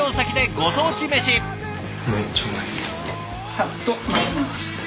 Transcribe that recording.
サッとまぜます。